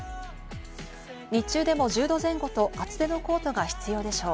日中でも１０度前後と厚手のコートが必要でしょう。